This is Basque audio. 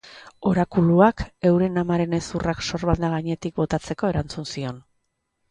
Orakuluak, euren amaren hezurrak sorbalda gainetik botatzeko erantzun zion.